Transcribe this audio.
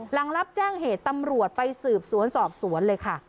หลังรับแจ้งเหตุตำรวจไปสืบสวนสอบสวนเลยค่ะ